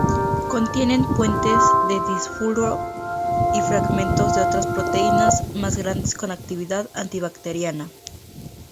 Contienen puentes de disulfuro y fragmentos de otras proteínas más grandes con actividad antibacteriana.